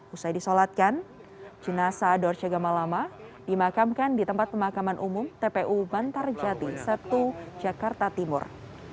usai disolatkan jenazah dorce gamalama dimakamkan di tempat pemakaman umum tpu bantarjati sabtu jakarta timur